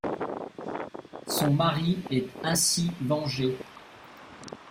Son mari est ainsi vengé.